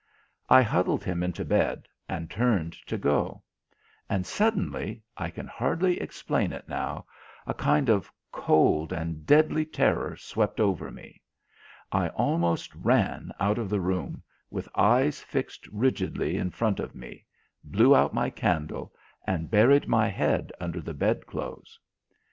I huddled him into bed and turned to go. And suddenly, I can hardly explain it now, a kind of cold and deadly terror swept over me. I almost ran out of the room, with eyes fixed rigidly in front of me, blew out my candle, and buried my head under the bedclothes.